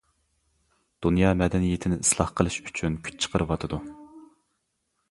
دۇنيا مەدەنىيىتىنى ئىسلاھ قىلىش ئۈچۈن كۈچ چىقىرىۋاتىدۇ.